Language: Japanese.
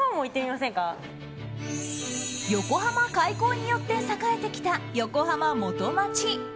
横浜開港によって栄えてきた横浜元町。